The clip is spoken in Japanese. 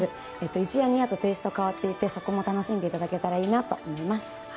１夜、２夜とテイストが変わっていてそこも楽しんでいただけたらなと思います。